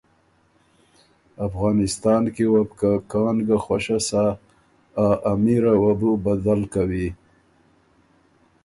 افغانستان کی وه بو که کان ګۀ خؤشه سَۀ ا امیره وه بُو بدل کوی۔